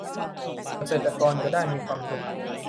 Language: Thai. เกษตรกรจะได้มีความสุข